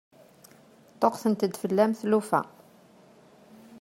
Ṭṭuqqtent-d fell-am tlufa.